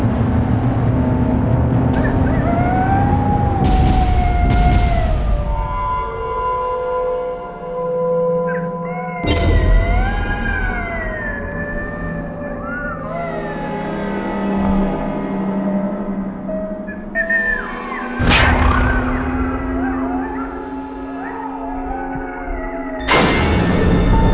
nah ayo sembunyi sembunyi aja cepetan